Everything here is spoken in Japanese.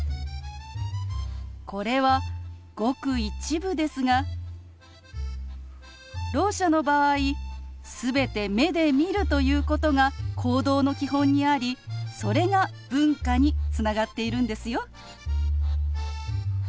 これはごく一部ですがろう者の場合全て目で見るということが行動の基本にありそれが文化につながっているんですよ。